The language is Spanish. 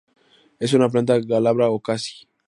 Es una plantas glabra o casi.